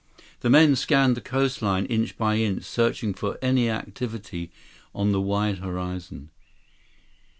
The men scanned the coastline, inch by inch, searching for any activity on the wide horizon.